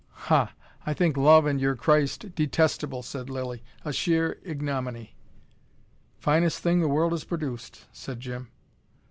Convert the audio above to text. "Ha, I think Love and your Christ detestable," said Lilly "a sheer ignominy." "Finest thing the world has produced," said Jim.